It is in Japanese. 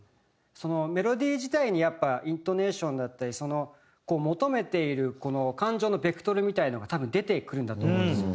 メロディー自体にやっぱイントネーションだったり求めている感情のベクトルみたいのが多分出てくるんだと思うんですよ。